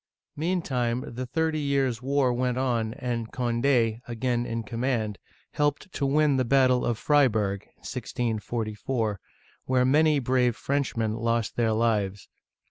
Meantime, the Thirty Years' War went on, and Cond6 — again in command — helped to win the battle of Freiburg (1644), where many brave Frenchmen lost their lives.